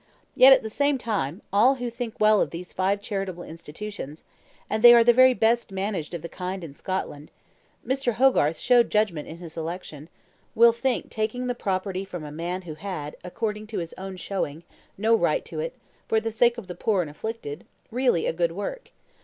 Yet, at the same time, all who think well of these five charitable institutions and they are the very best managed of the kind in Scotland Mr. Hogarth showed judgment in his selection will think taking the property from a man who had, according to his own showing, no right to it, for the sake of the poor and afflicted, really a good work.